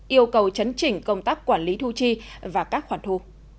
yêu cầu chấn chỉnh công tác quản lý thu chi và các khoản thu